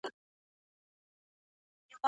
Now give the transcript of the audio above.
انلاين درسونه د سبق تکرار آسانه کړی دی.